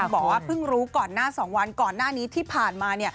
บอกว่าเพิ่งรู้ก่อนหน้า๒วันก่อนหน้านี้ที่ผ่านมา